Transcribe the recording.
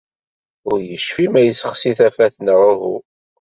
Ur yecfi ma yessexsi tafat neɣ uhu.